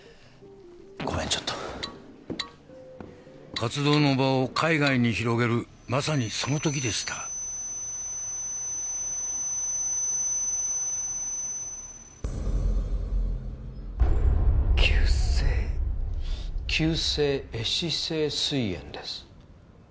ごめんちょっと活動の場を海外に広げるまさにその時でした急性急性壊死性膵炎です